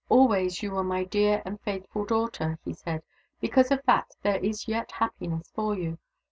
" Always you were my dear and faithful daughter," he said. " Because of that, there is yet happiness for you.